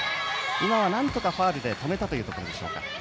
今はなんとかファウルで止めたというところでしょうか。